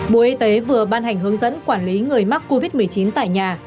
bộ y tế vừa ban hành hướng dẫn quản lý người mắc covid một mươi chín tại nhà